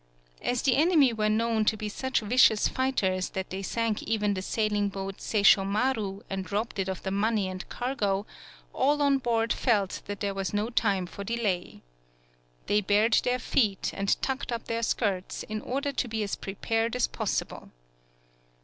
As the enemy were known to be such vicious fighters that they sank even the sailing boat Seishomaru and robbed it of the money and cargo, all on board felt that there was no time for delay. They bared their feet, and tucked up their skirts, in order to be as prepared as possible.